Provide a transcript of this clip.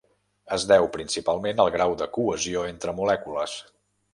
Es deu principalment al grau de cohesió entre molècules.